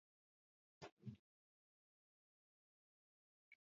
Wamekusukuma uende mbali